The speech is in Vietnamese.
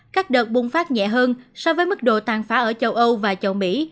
các đợt bùng phát nhẹ hơn so với mức độ tàn phá ở châu âu và châu mỹ